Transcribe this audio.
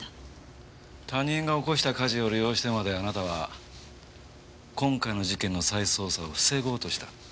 他人が起こした火事を利用してまであなたは今回の事件の再捜査を防ごうとした。